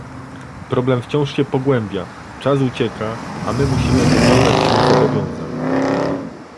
Problem wciąż się pogłębia, czas ucieka, a my musimy wywiązać się z zobowiązań